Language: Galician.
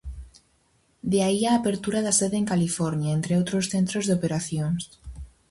De aí a apertura da sede en California, entre outros centros de operacións.